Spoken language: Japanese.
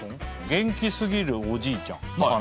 「元気すぎるおじいちゃん」の話。